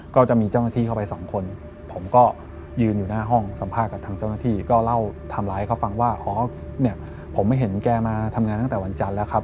เก็บรูปถ่ายเก็บอะไรอะนะครับ